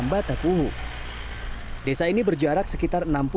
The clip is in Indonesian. mbatalik adalah desa yang terdiri dari kota wengapu